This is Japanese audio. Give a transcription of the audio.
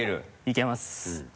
いけます。